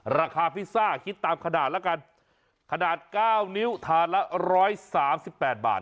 ราคาพิสซ่าคิดตามขนาดละกันขนาดเก้านิ้วถาดละร้อยสามสิบแปดบาท